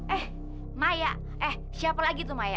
eh mai ya eh siapa lagi tuh mai ya